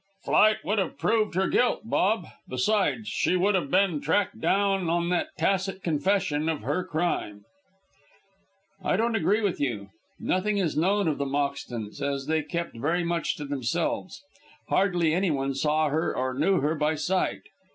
"Flight would have proved her guilt, Bob. Besides, she would have been tracked down on that tacit confession of her crime." "I don't agree with you. Nothing is known of the Moxtons, as they kept very much to themselves. Hardly anyone saw her or knew her by sight.